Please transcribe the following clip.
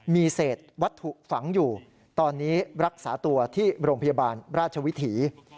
มีเศษวัตถุฝังอยู่ตอนนี้รักษาตัวที่โรงพยาบาลราชวิถี